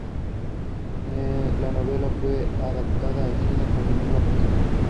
La novela fue adaptada al cine con el mismo título.